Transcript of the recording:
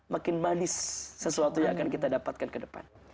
makin manis sesuatu yang akan kita dapatkan ke depan